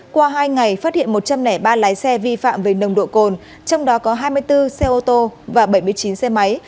qua hai ngày phát hiện một trăm linh ba lái xe vi phạm về nồng độ cồn trong đó có hai mươi bốn xe ô tô và bảy mươi chín xe máy